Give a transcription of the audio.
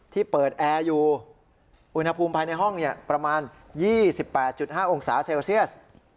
ที่เปิดแอร์อยู่อุณหภูมิภายในห้องประมาณ๒๘๕องศาเซลเซียส